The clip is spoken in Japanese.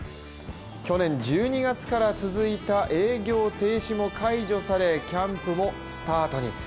去年１２月から続いた営業停止も解除されキャンプもスタートに。